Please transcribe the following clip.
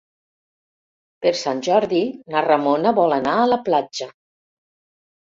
Per Sant Jordi na Ramona vol anar a la platja.